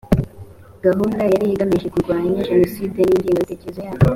gahunda yari igamije kurwanya jenoside n’ ingengabitekerezo yayo